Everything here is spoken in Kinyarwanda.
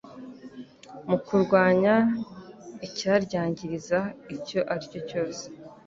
mu kurwanya icyaryangiriza icyo aricyo cyose